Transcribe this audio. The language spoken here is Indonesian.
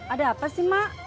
ada apa sih mak